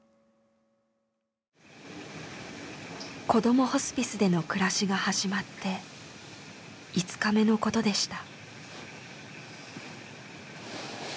こどもホスピスでの暮らしが始まって５日目のことでした。